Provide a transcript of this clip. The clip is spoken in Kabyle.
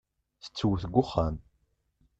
Tettwet deg uxxam.